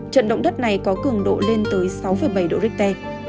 trận động đất này có cường độ lên tới sáu bảy độ richter